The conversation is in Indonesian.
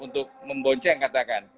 untuk membonceng katakan